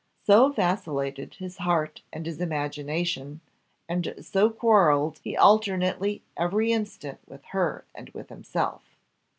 So vacillated his heart and his imagination, and so quarrelled he alternately every instant with her and with himself.